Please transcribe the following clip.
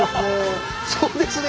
そうですね。